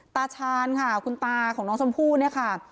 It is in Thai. ตาชาญค่ะคุณตาของน้องชมพู่เนี่ยค่ะ